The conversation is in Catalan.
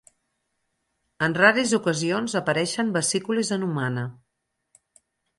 En rares ocasions apareixen vesícules en humana.